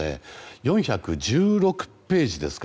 ４１６ページですか。